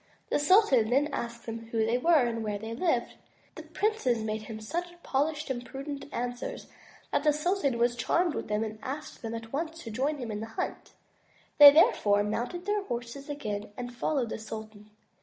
The sultan then asked them who they were and where they lived. The princes made him such polished and prudent answers that the sultan was charmed with them and asked them at once to join him in the hunt. They therefore mounted their horses again and followed the sultan.